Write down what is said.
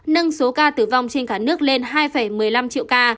nâng số ca tử vong trên cả nước lên hai một mươi năm triệu ca